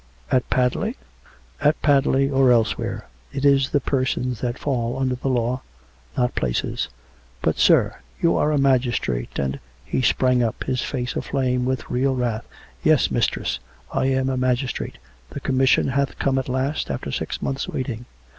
"At Padley?" " At Padley, or elsewhere. It is the persons that fall under the law, not places !"" But, sir, you are a magistrate ; and " He sprang up, his face aflame with real wrath. COME RACK! COME ROPE! 213 " Yes, mistress ; I am a magistrate : the commission hath come at last, after six months' waiting.